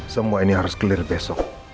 semua ini harus clear besok